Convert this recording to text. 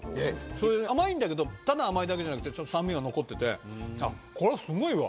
それで甘いんだけどただ甘いだけじゃなくてちょっと酸味が残っててこれすごいわ。